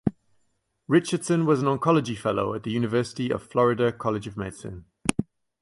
Richardson was an oncology fellow at the University of Florida College of Medicine.